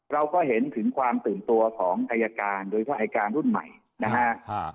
เราก็เห็นถึงความตื่นตัวของอายการโดยเฉพาะอายการรุ่นใหม่นะฮะ